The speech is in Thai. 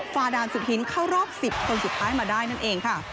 ฝ่าด่านสุดหินเข้ารอบ๑๐คนสุดท้ายมาได้นั่นเองค่ะ